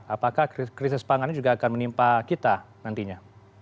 apakah krisis pangan ini juga akan menimpa kita nantinya